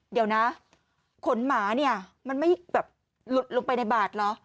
เดี๋ยวนะขนหมาเนี่ยมันไม่แบบหลุดลงไปในบาดเหรอ